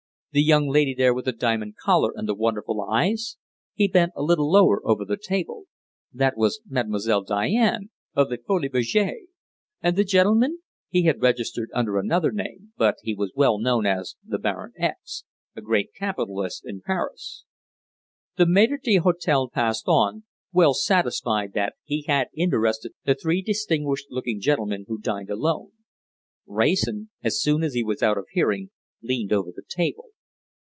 The young lady there with the diamond collar and the wonderful eyes? He bent a little lower over the table. That was Mademoiselle Diane, of the Folies Bergères! And the gentleman? He had registered under another name, but he was well known as the Baron X , a great capitalist in Paris! The maître d'hôtel passed on, well satisfied that he had interested the three distinguished looking gentlemen who dined alone. Wrayson, as soon as he was out of hearing, leaned over the table.